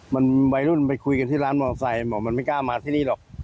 มันวัยรุ่นไปคุยกันที่ร้านมอไซค์บอกมันไม่กล้ามาที่นี่หรอก